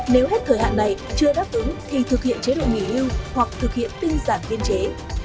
nếu hết thời hạn này chưa đáp ứng thì thực hiện chế độ nghỉ hưu hoặc thực hiện tinh giản biên chế